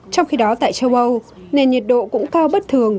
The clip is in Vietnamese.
trong khi đó tại châu âu nền nhiệt độ cũng cao bất thường